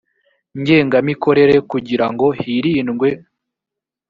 ngengamikorere kugira ngo hirindwe